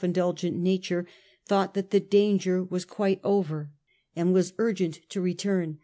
169, his self indulgent nature, thought that the danger was quite over, and was urgent to return.